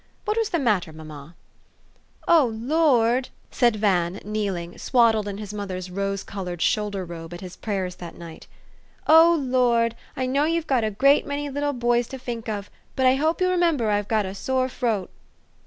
What was the matter, mamma? u O Lord! " said Van, kneeling, swaddled in his mother's rose colored shoulder robe at his prayers that night, " O Lord ! I know you've got a great many little boys to fink of; but I hope you'll re member I've got a sore froat."